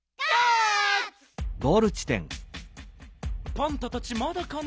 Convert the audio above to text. パンタたちまだかな？